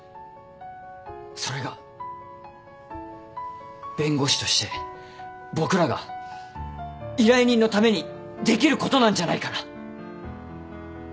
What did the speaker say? それが弁護士として僕らが依頼人のためにできることなんじゃないかな。